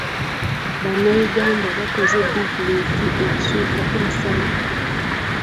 Bannayuganda bakoze bizinensi okusukka ensalo.